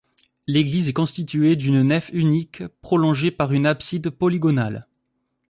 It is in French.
L'église est constituée d'une nef unique prolongée par une abside polygonale.